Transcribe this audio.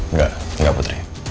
enggak enggak putri